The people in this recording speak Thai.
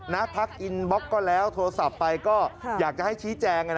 ทักอินบล็อกก็แล้วโทรศัพท์ไปก็อยากจะให้ชี้แจง